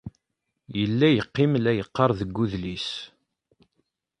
Yella yeqqim la yeqqar deg udlis.